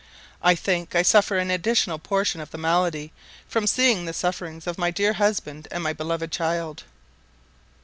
I think I suffer an additional portion of the malady from seeing the sufferings of my dear husband and my beloved child.